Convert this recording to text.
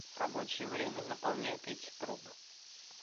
Рабочее время наполняет эти трубы.